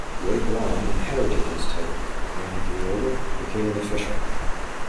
Wei Guan inherited his title, and when he grew older became an official.